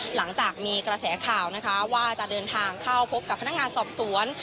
หลังจากมีกระแสข่าวนะคะว่าจะเดินทางเข้าพบกับพนักงานสอบสวน